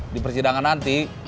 di persidangan nanti